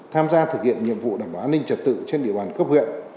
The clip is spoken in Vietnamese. tham gia thực hiện nhiệm vụ đảm bảo an ninh trật tự trên địa bàn cấp huyện